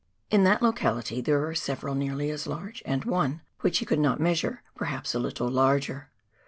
In that locality there are several nearly as large, and one, which he could not measure, perhaps a little larger.